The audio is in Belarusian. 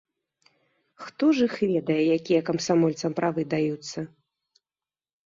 Хто ж іх ведае, якія камсамольцам правы даюцца.